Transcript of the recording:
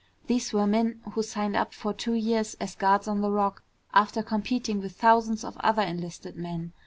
These were men who signed up for two years as guards on the Rock after competing with thousands of other enlisted men.